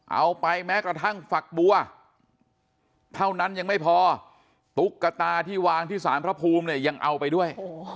เอาไปแม้กระทั่งฝักบัวเท่านั้นยังไม่พอตุ๊กตาที่วางที่สารพระภูมิเนี่ยยังเอาไปด้วย